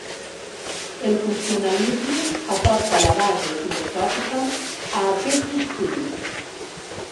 El funcionalisme aporta la base filosòfica a aquests estudis.